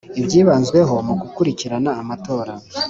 ibyibanzweho mu gukurikirana amatora